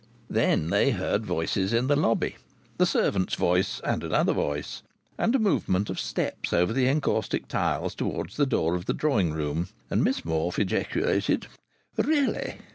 Then they heard voices in the lobby the servant's voice and another voice and a movement of steps over the encaustic tiles towards the door of the drawing room. And Miss Morfe ejaculated: "Really!"